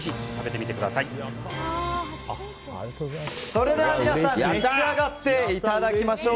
それでは皆さん召し上がっていただきましょう。